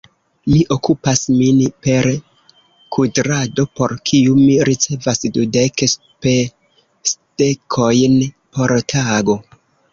Mi okupas min per kudrado, por kiu mi ricevas dudek spesdekojn por tago.